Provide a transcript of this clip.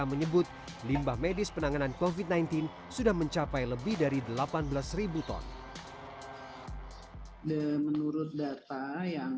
menyebut limbah medis penanganan kofit sembilan belas sudah mencapai lebih dari delapan belas ton menurut data yang